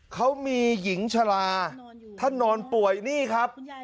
เขามีหญิงชะลาท่านนอนป่วยนี่ครับ